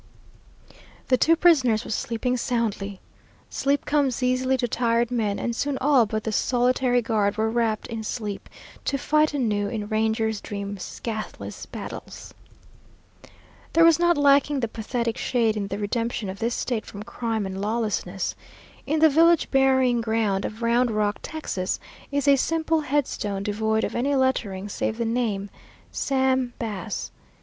The two prisoners were sleeping soundly. Sleep comes easily to tired men, and soon all but the solitary guard were wrapped in sleep, to fight anew in rangers' dreams scathless battles! There was not lacking the pathetic shade in the redemption of this State from crime and lawlessness. In the village burying ground of Round Rock, Texas, is a simple headstone devoid of any lettering save the name "Sam Bass."